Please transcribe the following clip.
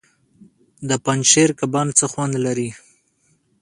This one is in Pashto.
د پنجشیر کبان څه خوند لري؟